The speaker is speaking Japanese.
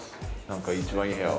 何か一番いい部屋。